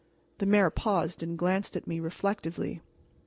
The mayor paused and glanced at me reflectively.